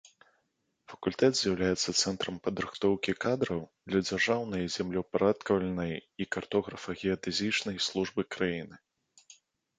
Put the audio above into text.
Факультэт з'яўляецца цэнтрам падрыхтоўкі кадраў для дзяржаўнай землеўпарадкавальнай і картографа-геадэзічнай службы краіны.